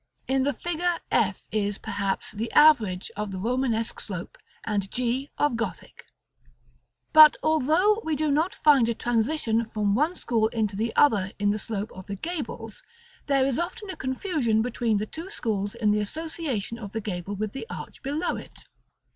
In the figure f is, perhaps, the average of Romanesque slope, and g of Gothic. [Illustration: Fig. XIV.] § XCII. But although we do not find a transition from one school into the other in the slope of the gables, there is often a confusion between the two schools in the association of the gable with the arch below it.